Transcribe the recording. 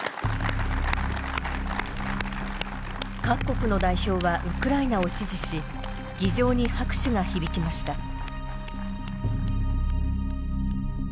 各国の代表はウクライナを支持し議場に拍手が響きました。